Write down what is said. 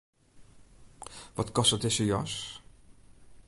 Wat kostet dizze jas?